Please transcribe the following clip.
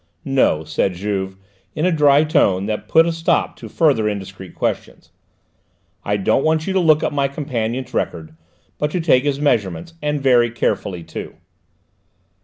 "No," said Juve in a dry tone that put a stop to further indiscreet questions. "I don't want you to look up my companion's record, but to take his measurements, and very carefully too."